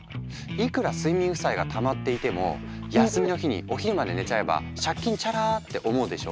「いくら睡眠負債がたまっていても休みの日にお昼まで寝ちゃえば借金チャラ」って思うでしょ？